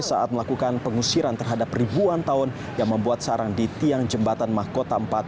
saat melakukan pengusiran terhadap ribuan tahun yang membuat sarang di tiang jembatan mahkota empat